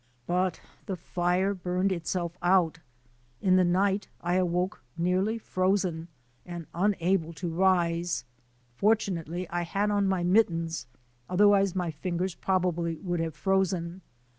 But the fire burned itself out. In the night I awoke nearly frozen and unable to rise. Fortunately, I had on my mittens, otherwise my fingers probably would have frozen.